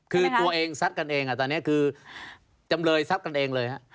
คือตัวเองซัดกันเองตอนนี้คือจำเลยซับกันเองเลยฮะ